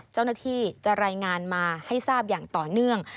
เจ้าหน้าที่จะรายงานมาให้ทราบอย่างต่อเนื่อง